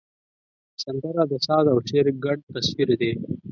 سندره د ساز او شعر ګډ تصویر دی